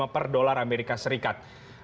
per dolar amerika serikat